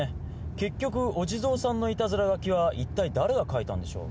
結局お地蔵さんのいたずらがきは一体だれが書いたんでしょう。